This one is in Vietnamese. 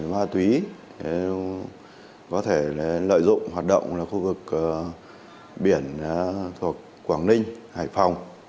ma túy có thể lợi dụng hoạt động là khu vực biển thuộc quảng ninh hải phòng